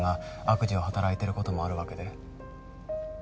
悪事を働いてることもあるわけで